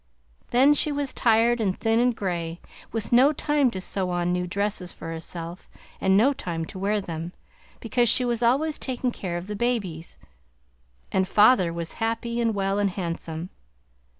Then she was tired and thin and gray, with no time to sew on new dresses for herself, and no time to wear them, because she was always taking care of the babies; and father was happy and well and handsome.